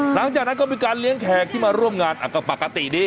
หลังจากนั้นก็มีการเลี้ยงแขกที่มาร่วมงานก็ปกติดี